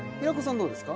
どうですか？